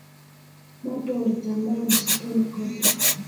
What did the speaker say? Moto ulitambaa msituni kote.